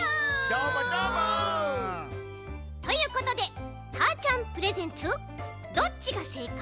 どーもどーも！ということでたーちゃんプレゼンツ「どっちが正解？